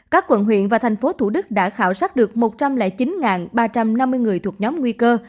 các quận huyện và thành phố thủ đức đã khảo sát được một trăm linh chín ba trăm năm mươi người thuộc nhóm nguy cơ